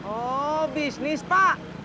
oh bisnis pak